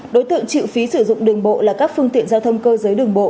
đối tượng chịu phí sử dụng đường bộ là các phương tiện giao thông cơ giới đường bộ